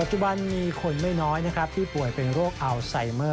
จุบันมีคนไม่น้อยนะครับที่ป่วยเป็นโรคอัลไซเมอร์